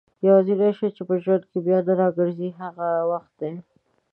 يوازينی شی چي په ژوند کي بيا نه راګرځي هغه وخت دئ